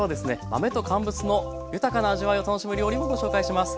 豆と乾物の豊かな味わいを楽しむ料理もご紹介します。